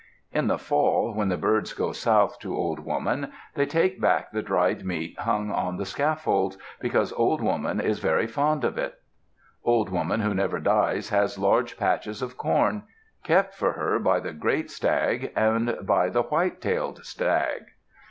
In the fall, when the birds go south to Old Woman, they take back the dried meat hung on the scaffolds, because Old Woman is very fond of it. Old Woman Who Never Dies has large patches of corn, kept for her by the great stag and by the white tailed stag.